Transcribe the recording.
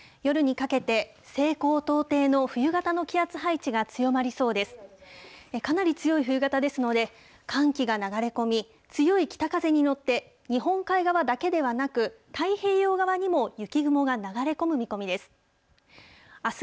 かなり強い冬型ですので、寒気が流れ込み、強い北風に乗って、日本海側だけではなく、太平洋側にも雪雲が流れ込む見込みです。